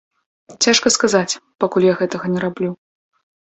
Цяжка сказаць, пакуль я гэтага не раблю.